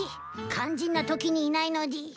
肝心なときにいないのでぃす。